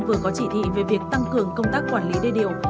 vừa có chỉ thị về việc tăng cường công tác quản lý đê điều